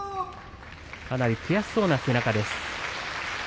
かなり悔しそうな背中です。